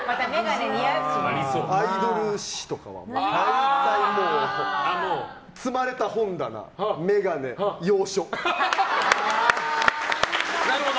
アイドル誌とかは大体積まれた本棚、眼鏡、洋書。